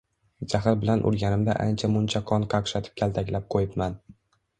Jahl bilan urganimda ancha muncha qon qaqshatib kaltaklab qoʻyibman